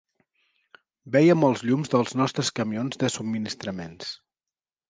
Vèiem els llums dels nostres camions de subministraments